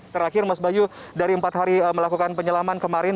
terakhir mas bayu dari empat hari melakukan penyelaman kemarin